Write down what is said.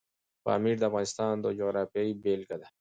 پامیر د افغانستان د جغرافیې بېلګه ده.